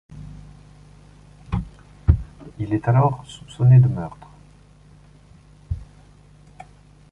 Il est alors soupçonné de meurtre.